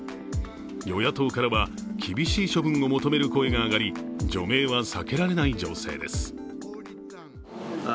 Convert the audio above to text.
与野党からは厳しい処分を求める声が上がり除名は避けられない情勢です。